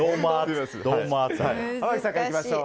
濱口さんからいきましょう。